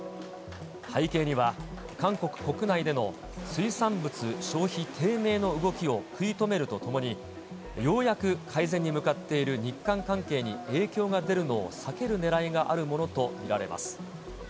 背景には韓国国内での水産物消費低迷の動きを食い止めるとともに、ようやく改善に向かっている日韓関係に影響が出るのを避けるねらいがあるものと見られます。